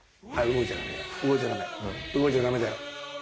動いちゃダメだよ。